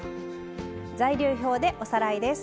材料表でおさらいです。